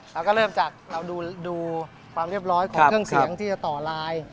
เราก็เริ่มจากเราดูความเรียบร้อยของเครื่องเสียงที่จะต่อลาย